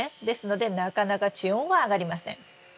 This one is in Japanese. ですのでなかなか地温は上がりません。